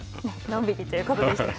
のんびりということでした。